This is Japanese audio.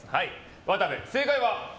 渡部君、正解は？